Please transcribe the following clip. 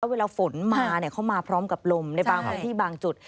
เวลาฝนมาเข้ามาพร้อมกับลมในบางพื้นที่บางจุด